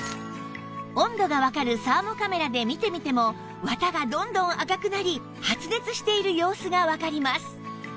温度がわかるサーモカメラで見てみても綿がどんどん赤くなり発熱している様子がわかります